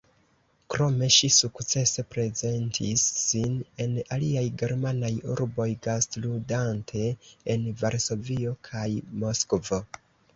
Krome ŝi sukcese prezentis sin en aliaj germanaj urboj gastludante en Varsovio kaj Moskvo.